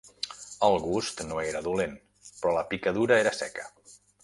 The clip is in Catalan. El gust no era dolent, però la picadura era seca